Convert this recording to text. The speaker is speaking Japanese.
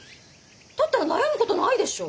だったら悩むことないでしょう！